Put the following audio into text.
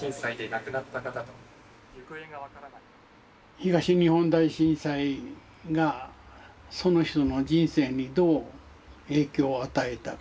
東日本大震災がその人の人生にどう影響を与えたか。